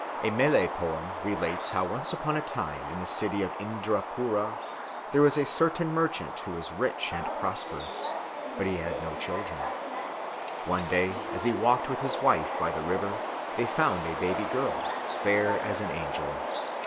A Malay poem relates how once upon a time in the city of Indrapoora there was a certain merchant who was rich and prosperous, but he had no children. One day as he walked with his wife by the river they found a baby girl, fair as an angel.